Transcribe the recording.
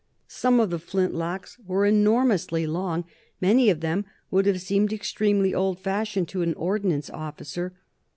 Some of the flint locks were enormously long; many of them would have seemed extremely old fashioned to an ordnance officer.